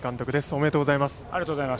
おめでとうございます。